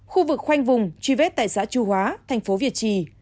khu vực khoanh vùng truy vết tại xã chu hóa thành phố việt trì